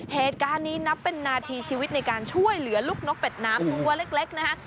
เหตุการณ์นี้นับเป็นนาทีชีวิตในการช่วยเหลือลูกนกเป็ดน้ำตัวเล็กนะฮะ